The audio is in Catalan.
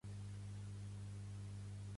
Pertany al moviment independentista el Peret?